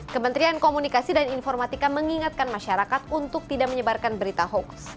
kementerian komunikasi dan informatika mengingatkan masyarakat untuk tidak menyebarkan berita hoax